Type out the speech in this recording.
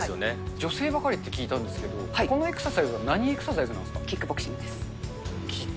女性ばかりって聞いたんですけど、このエクササイズは何エクキックボクシングです。